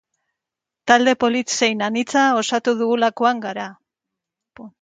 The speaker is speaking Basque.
Talde polit zein anitza osatu dugulakoan gara.